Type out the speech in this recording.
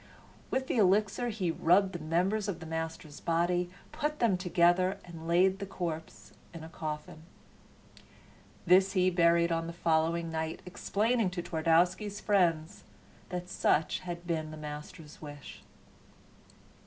With the elixir he rubbed the members of the master's body, put them together, and laid the corpse in a coffin. This he buried on the following night, explaining to Twardowski's friends that such had been the master's wish.